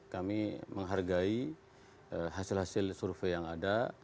kami menghargai hasil hasil survei yang ada